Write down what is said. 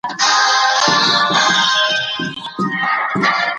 د لويي جرګې په ترڅ کي خلګ څه احساس کوي؟